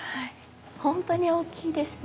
ほんとに大きいですね。